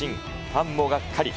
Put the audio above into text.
ファンもがっかり。